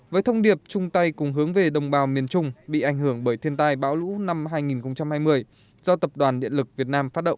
với thông điệp chung tay cùng hướng về đồng bào miền trung bị ảnh hưởng bởi thiên tai bão lũ năm hai nghìn hai mươi do tập đoàn điện lực việt nam phát động